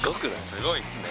すごいですね。